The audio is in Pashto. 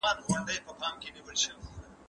بهرني هیوادونه هیڅکله زموږ خیر نه غواړي.